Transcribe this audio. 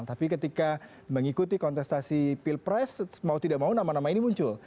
tapi ketika mengikuti kontestasi pilpres mau tidak mau nama nama ini muncul